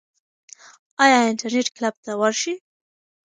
یا انټرنیټ کلب ته ورشئ.